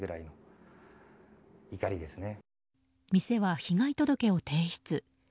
店は被害届を提出。